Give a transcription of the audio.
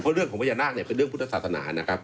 เรื่องของพญานาคเนี่ยเป็นเรื่องพุทธศาสนานะครับ